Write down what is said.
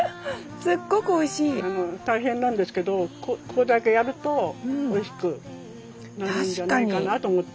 すっごくおいしい。大変なんですけどこれだけやるとおいしくなるんじゃないかなと思って。